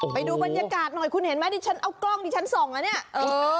ไปดูบรรยากาศหน่อยคุณเห็นไหมดิฉันเอากล้องดิฉันส่องนะเนี่ย